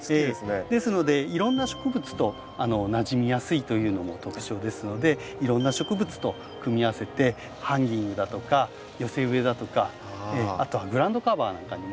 ですのでいろんな植物となじみやすいというのも特徴ですのでいろんな植物と組み合わせてハンギングだとか寄せ植えだとかあとはグラウンドカバーなんかにも。